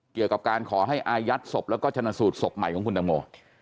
เกี่ยวกับการขอให้อายัดศพแล้วก็ชนะสูตรศพใหม่ของคุณตังโม